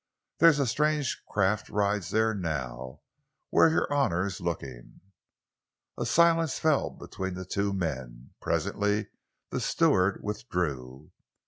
There's strange craft rides there now, where your honour's looking." A silence fell between the two men. Presently the steward withdrew.